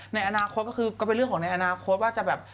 ในอนาคตก็คือก็เป็นเรื่องของในอนาคตว่าจะแบบ